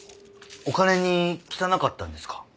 お金に汚かったんですか？